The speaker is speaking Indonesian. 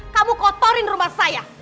kamu kotorin rumah saya